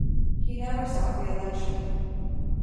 He never sought re-election.